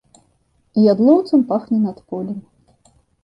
І ядлоўцам пахне над полем.